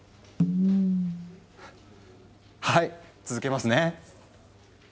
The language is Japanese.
はい続けますね。